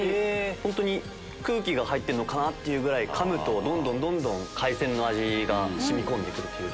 本当に空気が入ってるのかなってぐらいかむとどんどんどんどん海鮮の味が染み込んで来る。